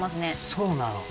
そうなの。